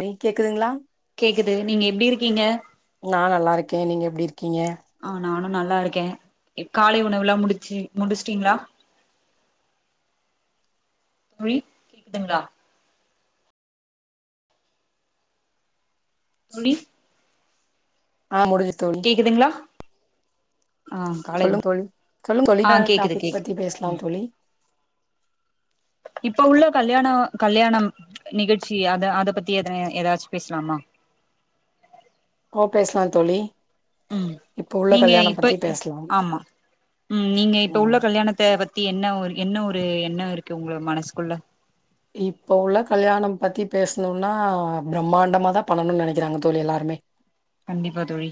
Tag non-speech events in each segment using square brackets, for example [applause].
தோழி கேக்குதுங்களா கேக்குது நீங்க எப்டி இருக்கீங்க நா நல்லா இருக்கே நீங்க எப்டி இருக்கீங்க ஆ நானு நல்லா இருக்கே காலை உணவுலெல்லா முடிச்சு முடிச்சுட்டீங்களா தோழி கேக்குதுங்களா தோழி ஆ முடிஞ்சு தொ இக்திங்கள சொல்லுங்க தோழி சொல்லுங்க தோழி ஆ என்னா கேக்குது டாபிக் கேக்கு பத்தி பெஸ்லாம் தோழி இப்ப உள்ள கல்யாணோ கல்யாணம் நிகழ்ச்சி அத அத பத்தி எத ஏதாச்சு பேச்லாமா ஓ பேசலா தோழி ம் இப்ப உள்ள நீங்க கல்யாணம் இப்ப பத்தி இப் பேசலாம் ஆமா ம் நீங்க இப்ப உள்ள ம் கல்யாணத்த பத் த்தி என்ன ஒரு என்ன ஒரு எண்ண இருக்கு உங்க மனசுக்குள்ள இப்போ உள்ள கல்யாணம் பத்தி பேசணும்னா பிரம்மாண்டமா தா பண்ணணும்ன்னு நெனைக்கிறாங்க தோழி எல்லாருமே கண்டிப்பா தோழி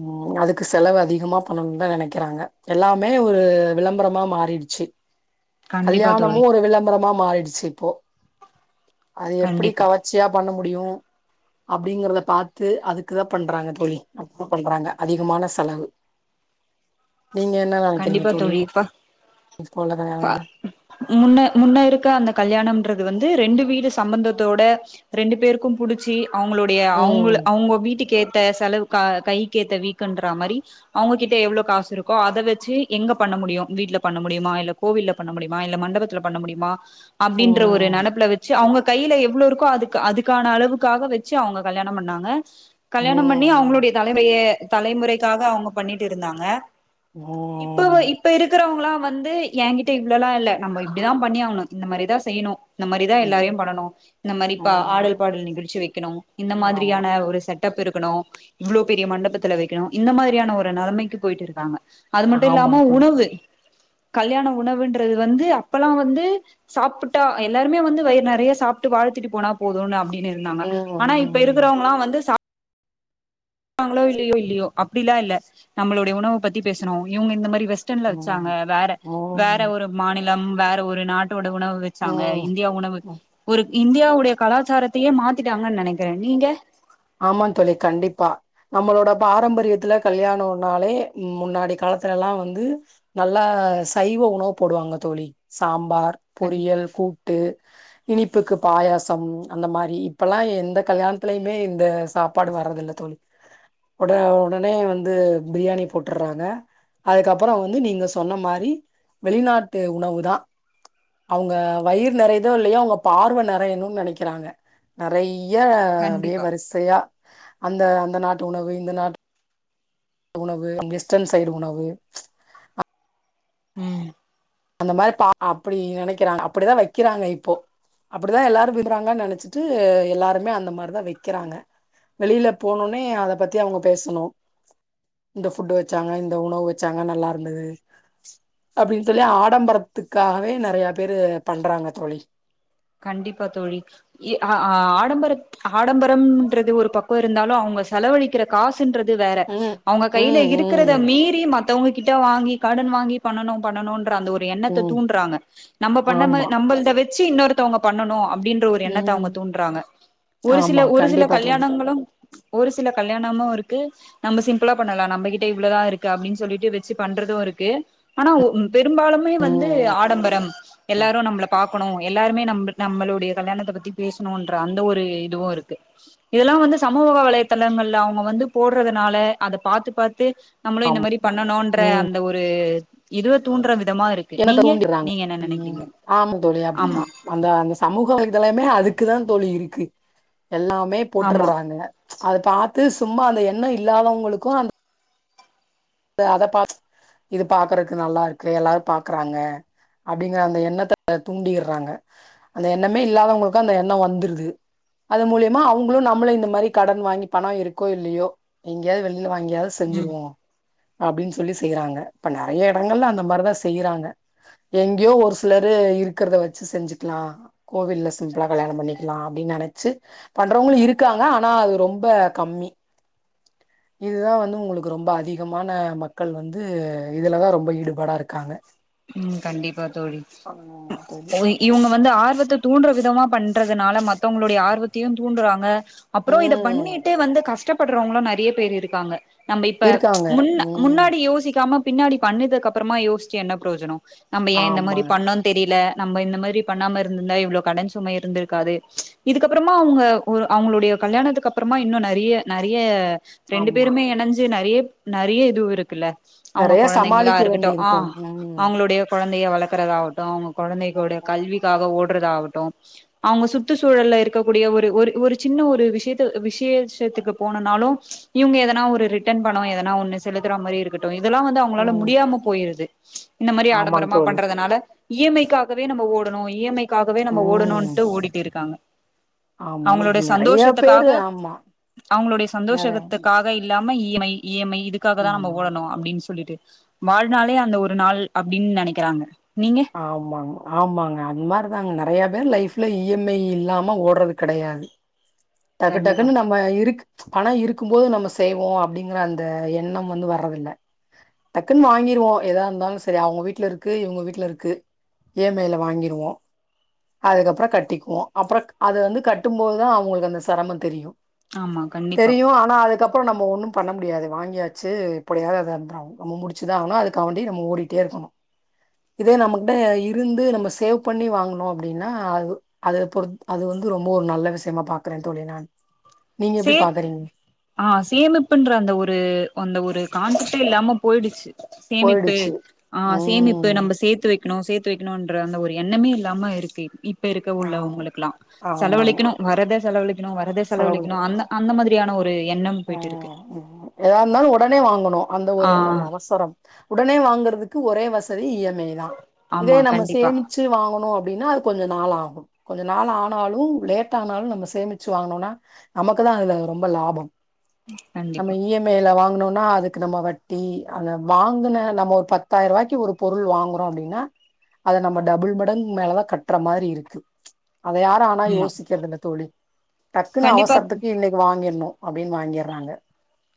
ம் அதுக்கு செலவு அதிகமா பண்ணணுனு தா நெனைக்கிறாங்க எல்லாமே ஒரு விளம்பரமா மாறிடுச்சு கண்டிப்பா கல்யாணமு தோழி ஒரு விளம்பரமா மாறிடுச்சு இப்போ அது எப்டி கண்டிப்பா கவச் சியா பண்ண முடியு அப்டிங்கறத பாத்து அதுக்குதா பண்றாங்கதா தோழி அப்பு பண்றாங்க அதிகமான செலவு நீங்க என்ன நெனைக்கிறீங்க கண்டிப்பா தோழி தோழிப்பா பா முன்ன முன்ன இருக்க அந்த கல்யாணம்ன்றது வந்து ரெண்டு வீடு சம்பந்தத்தோட ரெண்டு பேருக்கும் புடிச்சி அவங்களுடைய அவங்க ம் அவங்க வீட்டுக்கு ஏ ட செலவு கை கேத்த வீக்குன்ற மாரி அவங்ககிட்ட எவ்ளோ காசு இருக்கோ அத வச்சு எங்க பண்ண முடியு வீட்ல பண்ண முடியுமா இல்ல கோவில்ல பண்ண முடியுமா இல்ல மண்டபத்துல பண்ண முடியுமா அப்டின்ற ஒரு ம் நெனைப்புல வச் சு அவங்க கையில எவ்ளோ இருக்கோ அதுக்கு அதுக்கான அளவுக்காக வச்சு அவங்க கல்யாணம் பண்ணாங்க கல்யாணம் பண்ணி ம் அவங்களுடைய தலைவைய தலைமுறைக்காக அவங்க பண்ணிட்டு இருந்தாங்க இப்ப வை ம் இப்ப இருக்கிறவங்களா வந்து எயகிட்ட இவ்ளல்லா இல்ல நம்ம இப்டிதா பண்ணியாகணு இந்த மாரிதா செய்யணு இந்த மாரிதா ம் எல்லாரையு படனு இந்த மாரிப்ப ஆடல் ம் பாடல் நிகழ்ச்சி வைக்கணு இந்த ஆமா மாதிரியான ஒரு செட் டப் இருக்கணு இவ்வளோ பெரிய மண்டபத்துல வைக்கணு இந்த மாதிரியான ஒரு நெலமைக்கு போயிட்டு இருக்காங்க அது மட்டு இல்லாம ஆமாங் தோழி உணவு கல்யாண உணவுன்றது வந்து அப்பல்லா வந்து சாப்ட்டா எல்லாருமே வந்து வயிற நெறைய சாப்ட்டு வாழ்த்திட்டு போனா போதும்னு அப்டின்னு இருந்தாங்க ம் ஆனா இப்ப ம் இருக்கிறவங்களா வந்து சா ங்களோ இல்லயோ இல்லயோ அப்டிலா இல்ல நம்மளுட உணவ பத்தி பேசணு இவங்க இந்த மாரி டன்ல வச்சாங்க ம் வேற வேற ம் ஒரு மாநிலம் வேற ஒரு நாட் டோட உணவு வச்சாங்க ம் இந்தியா உணவு ஒரு இந்தியாவுடைய கலாச்சாரத்தையே மாத்திட்டாங்கன் நெனைக்கிற நீங்க ஆமாந் தோழி கண்டிப்பா நம்மளோட பாரம்பரியத்துல கல்யாணம்னாலே முன்னாடி காலத்துலல்லா வந்து நல்லா சைவ உணவு போடுவாங்க தோழி சாம்பார் பொரியல் கூ ட்டு இனிப்புக்கு பாயாசம் அந்த மாரி இப்பல்லா எந்த கல்யாணத்தலயுமே இந்த சாப்பாடு வர்றத இல்ல தோழி உட உடனே வந்து பிரியாணி போட்டுறாங்க அதுக்கப்பற வந்து நீங்க சொன்ன மாரி வெளிநாட்டு உணவு தா அவங்க வயிறு நெறையுதோ இல்லயோ அவங்க பார்வ நெறையணுனு நெனைக்கிறாங்க நெறைய அப்டியே கண்டிப்பா வரிசையா அந்த அந்த நாட்டு உணவு இந்த நாட்டு உணவு வெஸ்டர்ன் சைடு உணவு ம் அந்த மாரி பா அப்டி நெனைக்கிறாங்க அப்டிதா வைக்கிறாங்க இப்போ அப்டிதா எல்லாரு விடுறாங்கன்னு நெனைச்சிட்டு எல்லாருமே அந்த மாரிதா வைக்கிறாங்க வெளியில போனொன்னே அத பத்தி அவங்க பேசணு இந்த புஃட்டு வச்சாங்க இந்த உணவு வச்சாங்க நல்லா இருந்தது அப்டின்னு சொல்லி ஆ ஆடம்பரத்துக்காகவே நெறைய பேரு பண்றாங்க தோழி கண்டிப்பா தோழி இ அ ஆ ஆடம்பரத் ஆடம்பரம்ன்றது ஒரு பக்கோ இருந்தாலு அவங்க செலவழிக்கிற காசு சின்றது வேற ம் அவுங்க கையில ம் இருக் கிறத ம் மீறி மத்தவங்க கிட்ட வாங்கி கடன் வாங்கி பண்ணனு பண்ணனுன்ற அந்த ஒரு எண்ணத்த ம் தூன்றாங்க நம்ம பண்ண மா ஆமா நம்மல்த வச்சி இன்னொருத்தவங்க பண்ணணு அப்டின் ற ஒரு எண்ணத்த ம் அவுங்க தூண்றாங்க ஒரு சில ஆமா ஒரு சில கண்டிப்பா தோழி கல்யாணங்கள ஒரு சில கல்யாணமு இருக்கு நம்ம சிம்பிளா பண்ணலா நம்ப கிட்ட இவ்ளோதா இருக்கு அப்டின் சொல்லிட்டு வச்சி பண்றது இருக்கு ஆனா ஓ ம் பெரும்பாலுமே வந்து ம் ஆடம்பரம் எல்லாரு நம்பள பாக்கணு எல் லாருமே நம்ப் நம்பளுடைய கல்யாணத்த பத்தி பேசணுன்ற அந்த ஒரு இதுவு இருக்கு இதெல்லா வந்து சமூக வலைதளங்கள்ல அவுங்க வந்து போடுறதுனால அத பாத்து பாத்து நம்மளு இந்த மாரி பண்ணணுன்ற ம் அந்த ஒரு இதுவு தூண்ற விதமா இருக் கு என்னத்த நீங்க தூண்டிறாங்க நீங்க என்ன ம் நெனைக்கிறீங்க ஆமா தோழி அப்டிதா ஆமா அந்த அந்த சமூக வலைதலமே அதுக்குதா தோழி இருக்கு எல்லாமே ஆமா போட்டுர்றாங்க அத பாத்து சும்மா அந்த எண்ண இல்லாதவங்களுக்கு அந் த அத பா இது பாக்குறக்கு நல்லா இருக்கு எல்லாரு பாக்கறாங்க அப்டிங்கிற அந்த எண்ணத்த தூண்டிர்றாங்க அந்த எண்ணமே இல்லாதவங்களுக்கு அந்த எண்ண வந்துருது அது மூலியமா அவுங்களு நம்மள இந்த மாரி கடன் வாங்கி பண இருக்கோ இல்லையோ எங்கியாது வெளியில வாங்கியாது ம் செஞ்சுருவோ அப்டின் சொல்லி செய்யறாங்க இப்ப நெறைய எடங்கள்ல அந்த மார்தா செய்யறாங்க எங்கேயோ ஒரு சிலரு இருக்கறத வச்சு செஞ்சுக்லா கோவில்ல சிம்ப்ளா கல்யாண பண்ணிக்லா அப்டின் நெனச்சு பண்றவங்களு இருக்காங்க ஆனா அது ரொம்ப கம்மி இதுதா வந்து உங்களுக்கு ரொம்ப அதி கமான மக்கள் வந்து இதுலதா ரொம்ப ஈடுபாடா இருக்காங்க ம் கண்டிப்பா தோழி ஆமா தோழி ஓய் இவுங்க வந்து ஆர்வத்த தூண்டுற விதமா பண்றதுனால மத்தவங்களுடைய ஆர்வத்தையு தூண்டுறாங்க அப்றோ இத ம் பண்ணிட்டு வந்து கஷ்டப்படுறவங்களு நெறைய பேர் இருக்காங்க நம்ப இப்ப இருக்காங்க முன்ன ம் முன்னாடி யோசிக்காம பின்னாடி பண்ணுதுக்கு அப்றமா யோச்சி என்ன ப்ரோஜனோ நம்ம ஏ இந்த மாரி ஆமாங்க பண்ணோந் தெரியில நம்ப இந்த மாரி பண்ணாம இருந்துந்தா இவ்ளோ கடன் சுமை இருந்துருக்காது இதுக்கப்றமா அவுங்க ஒரு அவுங்களுடைய கல்யாணத்துக்கு அப்றமா இன்னு நெறைய நெறைய ரெண்டு ஆமா பேருமே எனஞ்சி நெறைய நெறைய இது இருக்குல்ல அவுங்க நெறைய கொழந்தைங்களா சமாளிக்க இருக்கட்டு வேண்டி ஆ இருக்கும் ம் ளுடைய கொழந்தைய வளக்கறதாகட்டு அவுங்க கொழந்தைகளுடைய ம் கல்விக்காக ஓடுறதாகட்டு அவுங்க சுற்று சூழல்ல இருக்கக் கூடிய ஒரு ஒரு ஒரு சின்ன ஒரு விஷியத்த விசேஷத்துக்கு போனனாலு இவுங்க எதனா ஒரு ரிட்டன் பணோ எதனா ஒன்னு செலுத்துற மாரி இருக்கட் டு இதெல்லா வந்து அவுங்களால ம் முடியாம போயிருது இந்த மாரி ஆமாங் ஆடம்பரமா தோழி பண்றதுனால இ எம் ஐக் காகவே நம்ப ஓடணு இ எம் ஐக் காகவே நம்ப ம் ஓடணுன்ட்டு ஓடிட் இருக்காங்க ஆமாங் அவங்களுடைய நெறைய சந்தோஷத்துக்காக பேரு ஆமா அவங்களுடைய நெறைய சந்தோஷத்துக்கா க இல்லாம E M I E M I இதுக்காக தா நம்ம ம் ஓடணு அப்டின் சொல்லிட்டு வாழ்நாளே அந்த ஒரு நாள் அப்டின் நெனைக்கறாங்க நீங்க ஆமாங்க ஆமாங்க அந் மாரி தாங்க நெறைய பேர் லைஃப்ல இ எம் ஐ இல்லாம ஓடறது கெடையாது டக்கு கண்டிப்பா டக்குன் நம் ம இருக் பண இருக்கு போது நம்ம செய்வோ அப்டிங்கற அந்த எண்ணம் வந்து வர்றதில்ல டக்குன் வாங்கிருவோ எதா இருந்தாலு செரி அவங்க வீட்ல இருக்கு இவுங்க வீட்ல இருக் கு இ எம் ஐ ல வாங்கிருவோ அதுக்கப்பற கட்டிக்குவோ அப்பறக் அது வந்து கட்டும்போதுதா அவுங்களுக்கு அந்த செரம தெரியும் ஆமா கண்டிப்பா தெரியு ஆனா அதுக்கப்பறம் நம்ம ஒண்ணும் பண்ண முடியாது வாங்கியாச்சு இப்டியாவது அத [unintelligible] நம்ம முடிச்சுதா ஆவனு அதுக்காவண்டி நம்ம ஓடிட்டே இருக்கனு இதே நம்மகிட்ட இருந்து நம்ம சேவ் பண்ணி வாங்குனோ அப்டின்னா அது அது பொறுத் அது வந்து ரொம்ப ஒரு நல்ல விஷயமா பாக்குறே தோழி நானு சேத் ஆ சேமிப்புன்ற அந்த ஒரு அந்த ஒரு கான்செப்ட்டே இல்லாம போயிடிச்சு சேமிப்பு போயிடுச்சு. ஆ சேமிப்பு ம். நம்ப சேத்து வெக்கணும் சேத் து வெக்கணுன்ற அந்த ஒரு எண்ணமே இல்லாம இருக்கு இப் ப இருக்க ஆமா, உள்ளவங்களுக்குள்லா ஆமாங்க. செலவழிக்கணு வரத செலவழிக்கணு வரத செலவழிக்கணு செலவழிக் அந்த அந்த மாதிரியான ஒரு எண்ணம் போய்ட்டு இருக்கு ம் எதா இருந்தாலு ஒடனே வாங்கணு அந்த ஒரு ஆ எண்ணம் அவசரம் உடனே வாங்கறதுக்கு ஒரே வசதி இ எம் ஐ தா இதே ஆமா நம்ம கண்டிப்பா சேமிச் சி வாங்கணு அப்படின்னா அது கொஞ்ச நாள் ஆகு கொஞ்ச நாள் ஆனாலும் லேட்டானாலு நம்ம சேமிச்சு வாங்கனோம்னா நமக்கு தா அதுல ரொம்ப லாபம் நம்ம கண்டிப்பா இ எம் ஐ ல வாங்கனோம்னா அதுக்கு நம்ம வட்டி அங்க வாங்கன நம்ம ஒரு பத்தாயிரூவாய்க்கு ஒரு பொருள் வாங்குறோ அப்படின்னா அத நம்ம டபுள் மடங்கு மேலதா கட்ற மாரி இருக்கு அதையா ரு ஆனா ஆமா யோசிக்கிறதுல்ல தோழி டக்குன்னு கண்டிப்பா அவசரத்துக்கு இன்னைக்கு வாங்கின்ணு அப்டின் வாங்கிர்றாங்க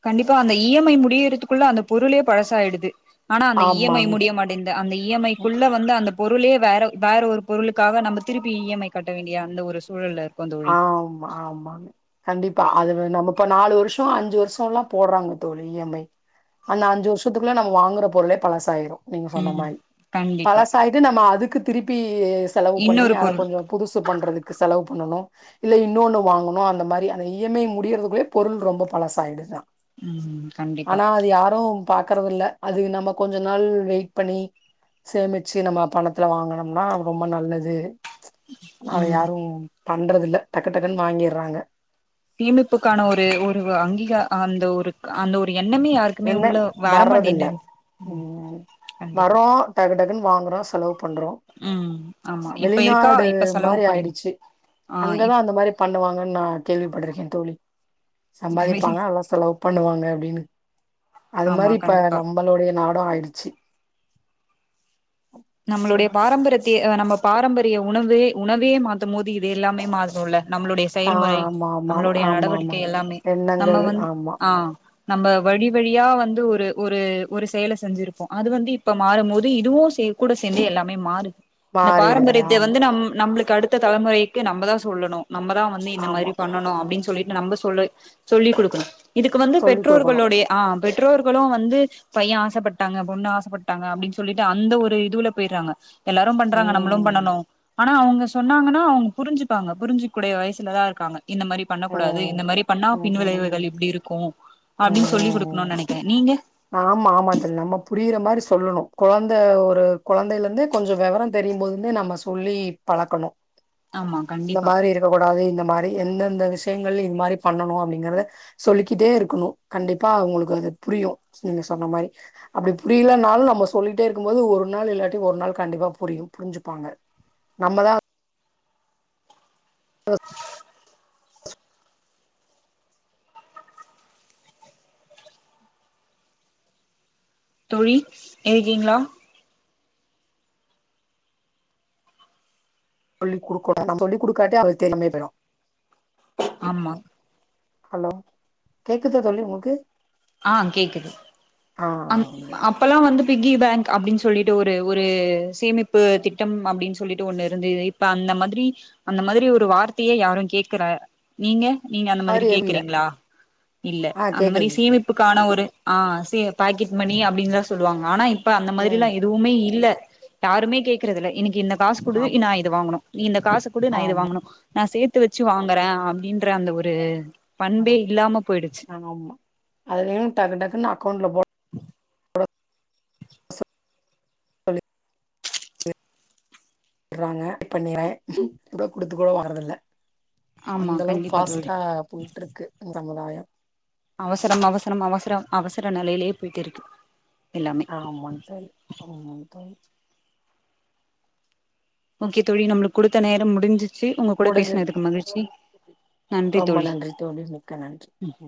கண்டிப்பா அந்த இ எம் ஐ முடியறதுக்குள்ள அந்த பொருளே பழசாயிடுது ஆனா அந்த இ எம் ஐ ஆமாங்க முடிய மாட் டேந்து அந்த இ எம் ஐ க்குள்ள வந்து அந்த பொருளே வேற வேற ஒரு பொருளுக்காக நம்ப திருப்பி இ எம் ஐ கட்ட வேண்டிய அந்த ஒரு சூழல்ல இருக்கோ தோழி ஆம்மா ஆம்மாங் கண்டிப்பா அது நம்ப இப்ப நாலு வருஷ அஞ்சு வருஷல்லா போடுறாங்க தோழி இ எம் ஐ அந்த அஞ்சு வருஷத்துக்குள்ள நம்ம வாங்குற பொருளே பழசாயிரு நீங்க சொன்ன ம் மாரி கண்டிப்பா பழசாயிட் இது நம்ம அதுக்கு திருப்பி செலவு பண்ணி இன்னொரு அத பொருள் கொஞ்ச புதுசு பண்றதுக்கு செலவு பண்ணணு இல்ல இன்னொன்னு வாங்கணு அந்த மாரி அந்த இ எம் ஐ முடியறதுக்குள்ளயே பொருள் ரொம்ப பழசாயிடுதா ம் கண்டிப்பா ஆனா அது யாரு பாக்குறதுல்ல அதுக்கு நம்ம கொஞ்ச நாள் வெயிட் பண்ணி சேமிச்சு நம்ம பணத்துல வாங்கனம்னா அது ரொம்ப நல்லது அத ம் யாரு பண்றது இல்ல டக்கு டக்குன்னு வாங்கிறாங்க சேமிப்புக்கான ஒரு ஒரு அங்கீகா அந்த ஒரு அந்த ஒரு எண்ணமே யாருக் என்ன வர்றதில்ல ம் கண்டிப்பா வறோ டக்கு டக்குன்னு வாங்குறோ செலவு பண்றோ ம் ஆமா இப்ப இருக்கா வெளிநாடு இப்ப செலவு மாரி படி ஆயிடுச்சி ஆ அங்கதா இப் அந்த மாரி பண்ணுவாங்கன்னு நா கேள்விப்பட்டிருக்கே தோழி சம்பாதிப்பாங்க எல்லா செலவு பண்ணுவாங்க அப்டின்னு அது ஆமா மாரி இப்ப கண்டிப்பா நம்பளுடைய நாடு ஆயிடுச்சி நம்மளுடைய சொல்லு பாரம்பரியத் தே நம்ம பாரம்பரிய உணவே உணவே மாத்தும் போது இது எல்லாமே மாறனும்ல நம்மளுடைய ஆ செயல்முறை ஆமா ஆமா நம்மளுடைய ஆமா ஆமா நடவடிக்கை எல்லாமே நம்ம எண்ணங்கள் வந் ஆமா ஆ நம்ம வழி வழியா வந்து ஒரு ஒரு ஒரு செயல செஞ்சிருப்போ அது வந்து இப்ப மாறும்போது இதுவு சே கூட சேந்து எல்லாமே மாறு இந்த மாறிடுது பாரம்பரியத்தை ஆமா வந்து நம் நம்புளுக்கு அடுத் த தலைமுறைக்கு நம்பதா சொல்லணு நம்பதா வந்து இந்த மாரி ஆமா பண்ணணு அப்டின் சொல்லிட்டு நம்ப சொல்ல சொல்லிக் குடுக்கணு இதுக்கு வந்து சொல்லி் குடுக்கணு பெற்றோர்களுடைய ஆ பெற்றோர்களு வந்து பைய ஆசப்பட்டாங்க பொண்ணு ஆசப்பட்டாங்க அப்டின் சொல்லிட்டு அந்த ஒரு இ துவுல போய்றாங்க எல்லாரு பண்றாங்க நம்மளு பண்ணனு ம் ஆனா அவங்க சொன்னாங்கன்னா அவங்க புரிஞ்சுப்பாங்க புரிஞ்சு கூடிய வயசுல தா இருக்காங்க இந்த மாரி பண்ணக்கூடாது ம் இந்த மாரி பண்ணா ம் பின்விளைவுகள் ம் இப்டி இருக்கு ம் அப்டின் சொல்லி ம் குடுக்கணுனு நெனைக்கிறே நீங்க ஆமா ஆமா தோழி நம்ம புரியிற மாரி சொல்லுணு கொழந்த ஒரு கொழந்தைையில இருந்தே கொஞ்சோ வெவர தெரியும்போதுந்தே நம்ம சொல்லி பழக்கணு ஆமா இந்த கண்டிப்பா மாரி இருக்க கூடாது இந்த மாரி எந்தெந்த விஷயங்கள் இது மாரி பண்ணணு அப்படிங்கறத சொல்லிக்கிட்டே இருக்கணு கண்டிப்பா உங்களுக்கு அது புரியு நீங்க சொன்ன மாரி அப்படி புரியலனாலு நம்ம சொல்லிட்டே இருக்கும்போது ஒரு நாள் இல்லாட்டி ஒரு நாள் கண்டிப்பா புரியு புரிஞ்சுப்பாங்க நம்மதா அ தோழி இருக்கீங்ளா சொல்லி குடுக்கணு நம்ம சொல்லிக்குடுக்காட்டி அவங்களுக்கு தெரியமே போய்டு ஆமா ஹலோ கேக்குது தோழி உங்களுக்கு ஆ கேக்குது ஆ ஆ. ஆன அப்பல்லா வந்து பிக்கி பேங்க் அப்டின்னு சொல்லிட்டு ஒரு ஒரு சேமிப்பு திட்டம் அப்டின்னு சொல்லிட்டு ஒன்னு இருந்துது இப்ப அந்த மாதிரி அந்த மாதிரி ஒரு வார்த்தையே யாரு கேக்குற நீங்க நீங்க அந்த மாதிரி மாரி எதுவும் இல்ல. கேக்குறீங்களா? இல்ல, ஆ அந்த மாரி கேக்குதுங்க கேக்குது. சேமிப்பு க்கான ஒரு ஆ சே பாக்கெட் மணி அப்படினுதா சொல்லுவாங்க ஆனா இப்ப அந்த மாதிரிலா ம் எ துவுமே இல்ல யாருமே கேக்குறதுல இன்னைக்கி இந்த காசு குடு ஆம் நா இது வாங்கணு நீ இந்த காசு குடு நா இது ஆமா வாங்கனு, நா சேத்து வச்சு வாங்குறே அப்படின்ற அந்த ஒரு ஆ, பண்பே இல்லாம போயிடுச்சு ஆமா, அதுலயு டக்கு டக்குன்னு அக்கோண்ட்ல போ ட்றாங்க பண்ணிட்றே இப்பலா குடுத்து கூட வாங்குறதில்ல ஆமா அந்தளவுக்கு கண்டிப்பா தோழி ஃபாஸ்ட்டா போயிட்ருக்கு சமுதாயம் அவசரம் அவசரம் அவசரம் அவசர நெலையிலேயே போயிட்டு இருக்கு எல்லாமே ஆமா தோழி ஆமா தோழி ஓகே தோழி நம்மளுக்கு குடுத்த நேரம் முடிஞ்சிச்சு உங்க கூட முடிஞ்சது பேசினதுக்கு மகிழ்ச்சி நன்றி ரொம்ப தோழி. நன்றி தோழி மிக்க நன்றி ம்